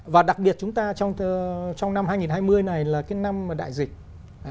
và đặc biệt chúng ta trong năm hai nghìn hai mươi này là cái năm đại dịch